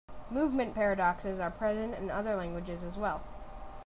Movement paradoxes are present in other languages as well.